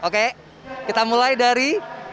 oke kita mulai dari tiga dua satu